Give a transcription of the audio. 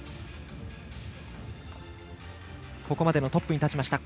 ここまでのトップに立ちました。